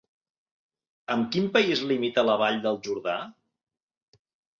Amb quin país limita la vall del Jordà?